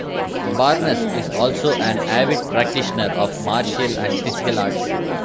Barnes is also an avid practitioner of martial and physical arts.